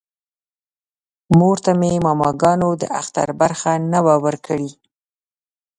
مور ته مې ماماګانو د اختر برخه نه وه ورکړې